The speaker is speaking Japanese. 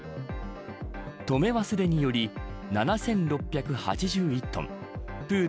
止め忘れにより７６８１トンプール